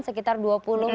sekitar dua puluh menit